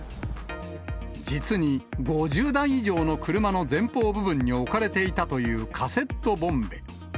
実に５０台以上の車の前方部分に置かれていたというカセットボンベ。